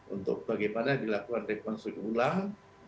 untuk bagaimana dilakukan rekonstruksi ulang